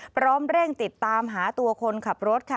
พร้อมเร่งติดตามหาตัวคนขับรถค่ะ